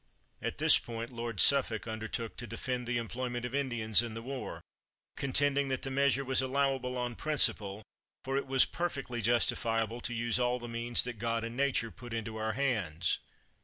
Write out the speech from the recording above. [At this point Lord Suffolk undertook to de fend the employment of Indians in the war, con tending that the measure was allowable on prin ciple, for "it was perfectly justifiable to use all the means that God and nature put into our hands!"